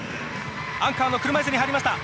アンカーの車いすに入りました。